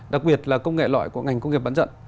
đặc biệt là công nghệ loại của ngành công nghiệp bán dẫn